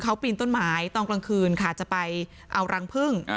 เขาปีนต้นไม้ตอนกลางคืนค่ะจะไปเอารังพึ่ง